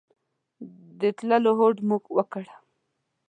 د تلو هوډ مو وکړ.